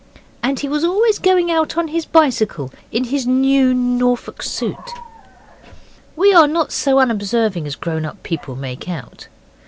And he was always going out on his bicycle in his new Norfolk suit. We are not so unobserving as grown up people make out.